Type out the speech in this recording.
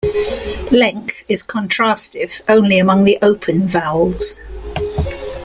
Length is contrastive only among the open vowels.